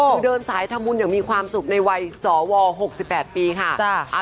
คือเดินสายธรรมุนอย่างมีความสุขในวัยสอวหกสิบแปดปีค่ะ